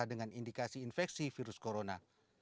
dengan indikasi infeksi virus corona